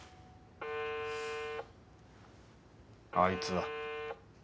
あいつだ。